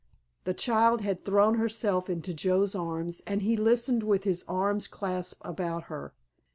The child had thrown herself into Joe's arms, and he listened with his arms clasped about her.